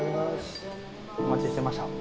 お待ちしてました。